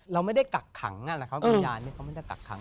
เราไม่ได้กักขังนะครับวิญญาณ